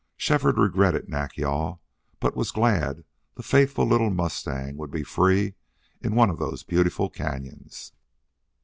Shefford regretted Nack yal, but was glad the faithful little mustang would be free in one of those beautiful canyons.